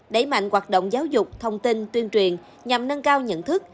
đẩy mạnh hoạt động giáo dục thông tin tuyên truyền nhằm nâng cao nhận thức